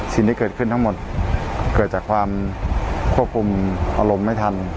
สิ่งที่เกิดขึ้นทั้งหมดเกิดจากความควบคุมอารมณ์ไม่ทัน